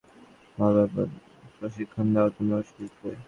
ভালভাবে প্রশিক্ষণ দাও, তুমি অবশ্যই জিতবে!